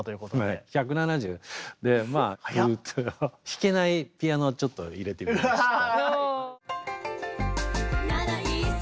弾けないピアノをちょっと入れてみました。